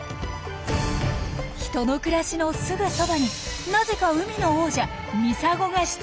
人の暮らしのすぐそばになぜか海の王者ミサゴが出現。